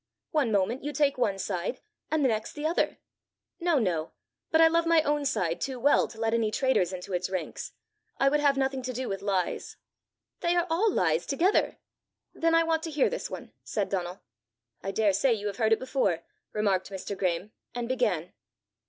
One moment you take one side and the next the other!" "No, no; I but love my own side too well to let any traitors into its ranks: I would have nothing to do with lies." "They are all lies together!" "Then I want to hear this one," said Donal. "I daresay you have heard it before!" remarked Mr. Graeme, and began.